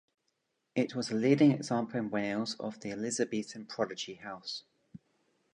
It was a leading example in Wales of the Elizabethan prodigy house.